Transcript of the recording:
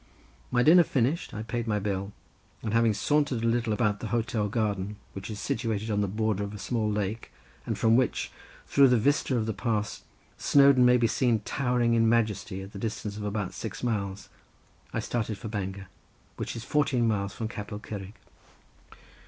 My dinner finished, I paid my bill and having sauntered a little about the hotel garden, which is situated on the border of a small lake and from which through the vista of the pass Snowdon may be seen towering in majesty at the distance of about six miles, I started for Bangor, which is fourteen miles from Capel Curig.